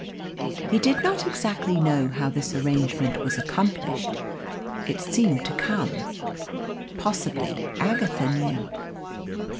He did not exactly know how this arrangement was accomplished it seemed to come. Possibly Agatha knew.